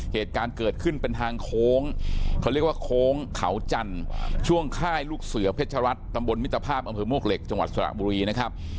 เหตุการณ์เกิดขึ้นเป็นทางโค้งเขาเรียกว่าโค้งเขาจันทร์ช่วงค่ายลูกเสือเพชรัตนตำบลมิตรภาพอำเภอมวกเหล็กจังหวัดสระบุรีนะครับ